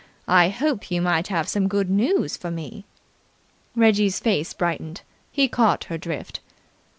I hoped you might have some good news for me." Reggie's face brightened. He caught her drift.